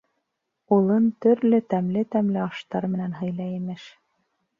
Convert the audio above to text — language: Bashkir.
Улын төрлө тәмле-тәмле аштар менән һыйлай, имеш.